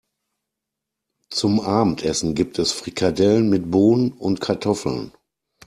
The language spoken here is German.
Zum Abendessen gibt es Frikadellen mit Bohnen und Kartoffeln.